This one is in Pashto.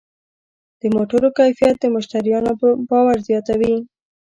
د موټرو کیفیت د مشتریانو باور زیاتوي.